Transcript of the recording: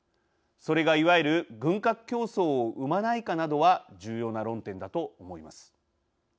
それがいわゆる軍拡競争を生まないかなどは重要な論点だと思います。